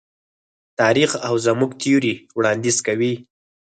تاریخ او زموږ تیوري وړاندیز کوي.